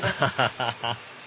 ハハハハハ